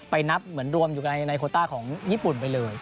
นับเหมือนรวมอยู่ในโคต้าของญี่ปุ่นไปเลย